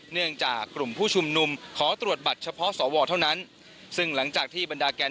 เนื่องจากกลุ่มผู้ชุมนุมขอตรวจบัตรเฉพาะสวเท่านั้นซึ่งหลังจากที่บรรดาแกน